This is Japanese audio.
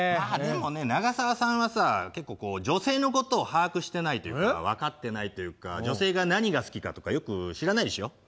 まあでもね永沢さんはさ結構女性のことを把握してないというか分かってないというか女性が何が好きかとかよく知らないでしょ。